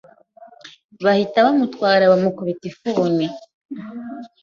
bahita bamutwara bamukubita ifuni